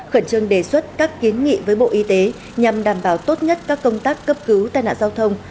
khẩn trương đề xuất các kiến nghị với bộ y tế nhằm đảm bảo tốt nhất các công tác cấp cứu tai nạn giao thông